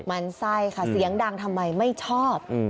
มันไส้ค่ะเสียงดังทำไมไม่ชอบ